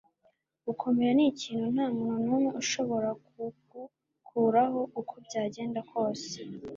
gukomera nikintu ntamuntu numwe ushobora kugukuraho, uko byagenda kose